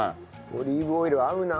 オリーブオイル合うな。